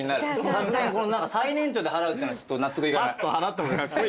さすがに最年長で払うってのはちょっと納得いかない。